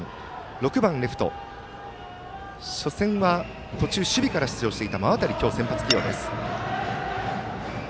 ６番レフト、初戦は途中、守備から登板していた馬渡先発起用です。